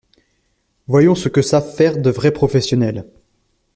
Voyons ce que savent faire de vrais professionnels.